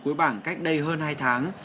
cuối bảng cách đây hơn hai tháng